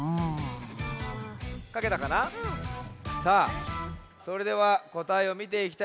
さあそれではこたえをみていきたいとおもいます。